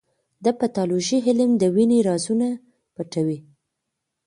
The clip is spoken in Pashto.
د پیتالوژي علم د وینې رازونه پټوي.